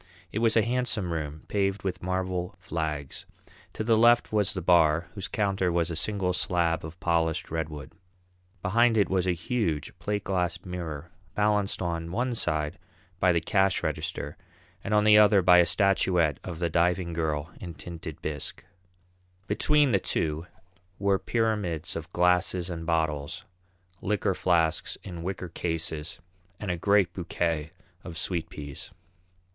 It was a handsome room, paved with marble flags. To the left was the bar, whose counter was a single slab of polished redwood. Behind it was a huge, plate glass mirror, balanced on one side by the cash register and on the other by a statuette of the Diving Girl in tinted bisque. Between the two were pyramids of glasses and bottles, liqueur flasks in wicker cases, and a great bouquet of sweet peas.